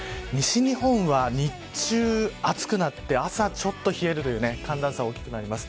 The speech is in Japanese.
西日本は日中暑くなって、朝ちょっと冷えるという寒暖差、大きくなります。